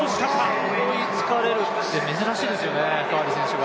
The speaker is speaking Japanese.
後半追いつかれるって珍しいですよね、カーリー選手が。